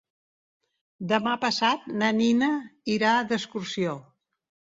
Demà passat na Nina irà d'excursió.